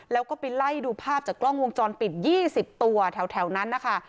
แล้วก็ไปไล่ดูภาพจากกล้องวงจรปิด๒๐ตัวแถวนั้นนะคะ